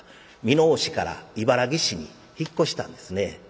箕面市から茨木市に引っ越したんですね。